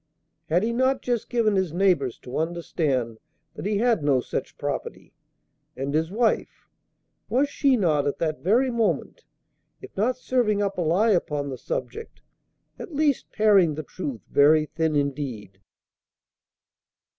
Had he not just given his neighbors to understand that he had no such property? And his wife, was she not at that very moment, if not serving up a lie upon the subject, at least paring the truth very thin indeed?